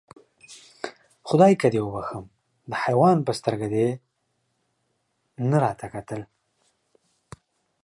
خدایکه دې وبښم، د حیوان په سترګه دې نه راته کتل.